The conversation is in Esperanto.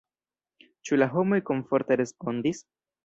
Ĉu la homoj komforte respondis?